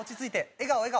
笑顔笑顔！